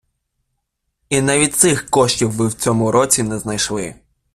І навіть цих коштів ви в цьому році не знайшли.